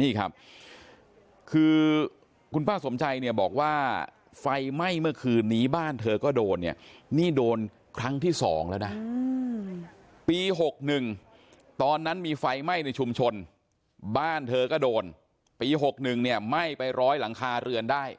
นี่ครับคือคุณป้าสมชัยเนี่ยบอกว่าไฟไหม้เมื่อคืนนี้บ้านเธอก็โดนเนี่ยนี่โดนครั้งที่๒แล้วนะปี๖๑ตอนนั้นมีไฟไหม้ในชุมชนบ้านเธอก็โดนปี๖๑เนี่ยไหม้ไปร้อยหลังคาเรือนได้